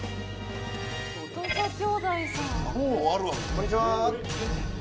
こんにちは！